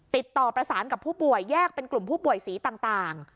ติดต่อประสานกับผู้ป่วยแยกเป็นกลุ่มผู้ป่วยสีต่าง